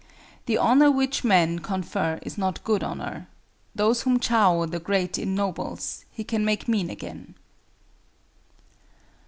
The honor which men confer is not good honor. Those whom Châo the Great ennobles, he can make mean again."